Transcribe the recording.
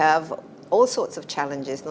kita memiliki banyak tantangan